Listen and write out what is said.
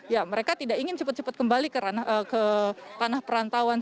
ya mereka tidak ingin cepat cepat kembali ke tanah perantauan